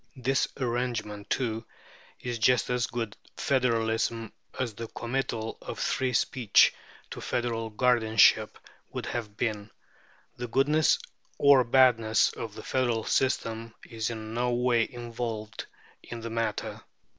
This arrangement, too, is just as good federalism as the committal of free speech to federal guardianship would have been. The goodness or badness of the federal system is in no way involved in the matter.